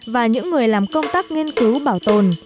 và những người làm công tác nghiên cứu bảo tồn